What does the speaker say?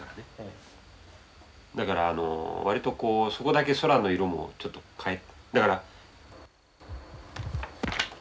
だから割とこうそこだけ空の色もちょっと変え。